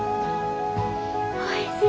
おいしい！